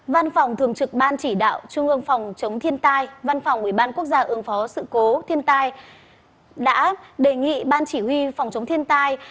văn phòng thường trực ban chỉ đạo trung ương phòng chống thiên tai văn phòng ủy ban quốc gia ứng phó sự cố thiên tai đã đề nghị ban chỉ huy phòng chống thiên tai